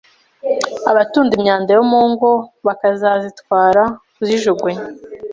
abatunda imyanda yo mu ngo bakazazitwara kuzijugunya